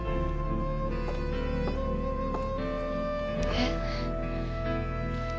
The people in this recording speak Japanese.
えっ。